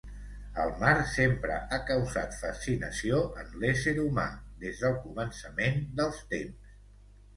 El mar sempre ha causat fascinació en l'ésser humà des del començament dels temps.